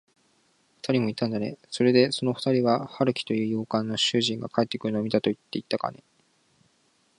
ふたりもいたんだね。それで、そのふたりは、春木という洋館の主人が帰ってくるのを見たといっていたかね。